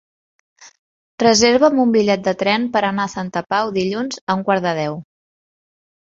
Reserva'm un bitllet de tren per anar a Santa Pau dilluns a un quart de deu.